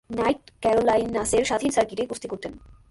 Night ক্যারোলাইনাসের স্বাধীন সার্কিটে কুস্তি করতেন।